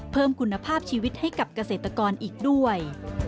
เพิ่มคุณภาพชีวิตให้กับเกษตรกรอีกด้วย